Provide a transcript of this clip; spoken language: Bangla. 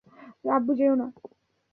আব্বু, যেয়ো না!